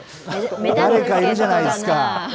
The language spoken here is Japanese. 何かいるじゃないですか。